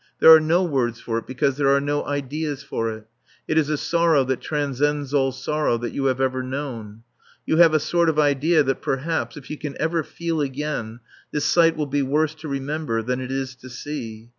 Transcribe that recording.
There are no words for it, because there are no ideas for it. It is a sorrow that transcends all sorrow that you have ever known. You have a sort of idea that perhaps, if you can ever feel again, this sight will be worse to remember than it is to see.